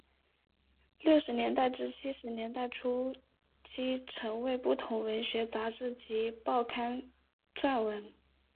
六十年代至七十年代初期曾为不同文学杂志及报刊撰文。